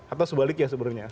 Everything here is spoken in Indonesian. atau sebaliknya sebenarnya